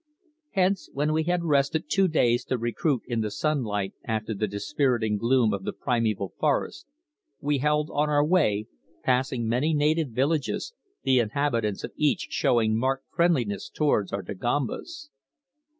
Hence, when we had rested two days to recruit in the sunlight after the dispiriting gloom of the primeval forest, we held on our way, passing many native villages, the inhabitants of each showing marked friendliness towards our Dagombas.